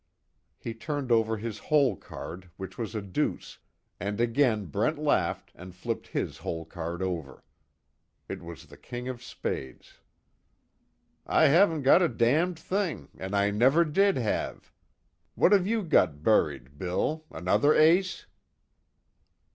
He turned over his hole card which was a deuce, and again Brent laughed and flipped his hole card over. It was the king of spades. "I haven't got a damned thing, and I never did have. What have you got buried, Bill, another ace?"